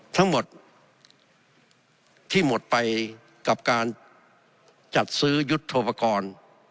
ทั้งหมดที่หมดไปกับการจัดซื้อยุทธโปรกรณ์